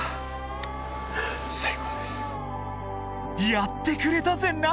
［やってくれたぜ直樹］